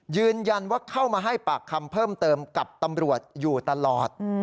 ยืนยันว่าเข้ามาให้ปากคำเพิ่มเติมกับตำรวจอยู่ตลอด